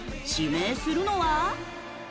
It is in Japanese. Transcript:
指名するのは。